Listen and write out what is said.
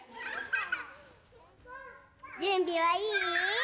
じゅんびはいい？